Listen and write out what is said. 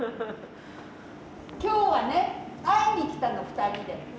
今日はね会いに来たの２人で。